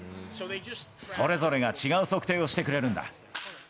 それぞれが違う測定をしてくれるんだ。